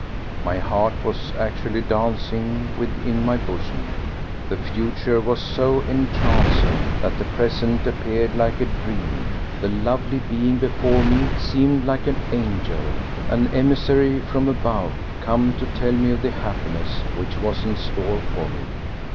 My heart was actually dancing within my bosom. The future was so entrancing that the present appeared like a dream; the lovely being before me seemed like an angel, an emissary from above come to tell me of the happiness which was in store for me.